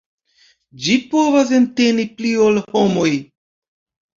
Ĝi povas enteni pli ol homoj.